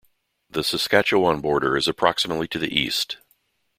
The Saskatchewan border is approximately to the east.